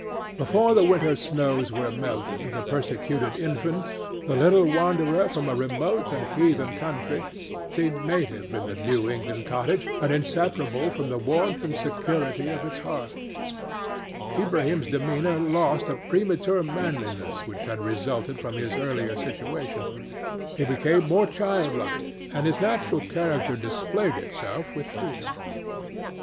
Before the winter snows were melted the persecuted infant, the little wanderer from a remote and heathen country, seemed native in the New England cottage and inseparable from the warmth and security of its hearth. Under the influence of kind treatment, and in the consciousness that he was loved, Ilbrahim's demeanor lost a premature manliness which had resulted from his earlier situation; he became more childlike and his natural character displayed itself with freedom.